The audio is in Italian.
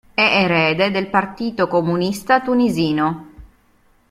È erede del Partito Comunista Tunisino.